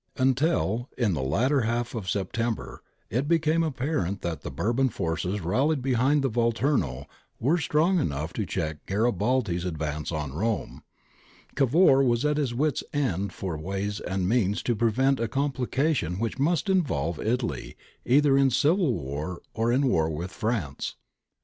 Until, in the latter half of September, it became apparent that the Bourbon forces rallied behind the Volturno were strong enough to check Garibaldi's ad vance on Rome, Cavour was at his wits' end for ways and means to prevent a complication which must involve Italy either in civil war or in war with France.